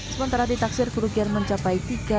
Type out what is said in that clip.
sementara ditaksir kerugian mencapai